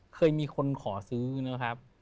เคยมีคนขอซื้อนะครับ